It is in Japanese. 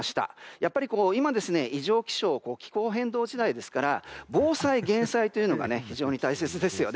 やっぱり今、異常気象や気候変動時代ですから防災・減災が非常に大切ですよね。